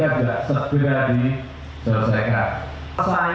yang kedua sudah segera diselesaikan